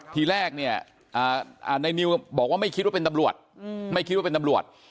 ทีแรกเนี่ยในนิวบอกว่าไม่คิดว่าเป็นตำรวจไม่คิดว่าเป็นตำรวจ